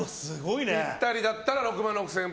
ぴったりだったら６万６０００円。